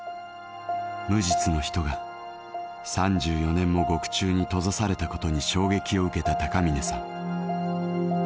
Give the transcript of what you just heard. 無実の人が３４年も獄中に閉ざされたことに衝撃を受けた高峰さん。